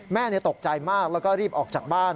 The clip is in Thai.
แม่ตกใจมากแล้วก็รีบออกจากบ้าน